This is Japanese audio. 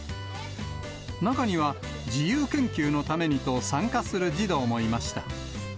中には、自由研究のためにと参加する児童もいました。